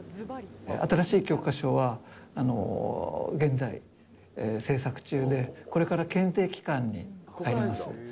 新しい教科書は現在制作中で、これから検定期間に入ります。